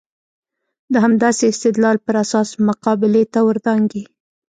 د همداسې استدلال پر اساس مقابلې ته ور دانګي.